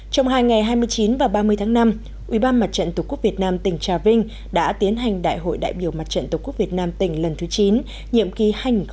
trong hai ngày hai mươi chín và ba mươi tháng năm ubnd tqvn tỉnh trà vinh đã tiến hành đại hội đại biểu mặt trận tqvn tỉnh lần thứ chín nhiệm kỳ hai nghìn một mươi chín hai nghìn hai mươi bốn